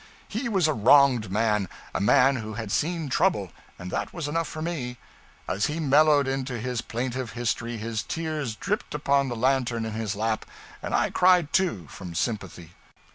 He was a wronged man, a man who had seen trouble, and that was enough for me. As he mellowed into his plaintive history his tears dripped upon the lantern in his lap, and I cried, too, from sympathy.